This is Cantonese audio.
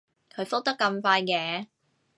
佢覆得咁快嘅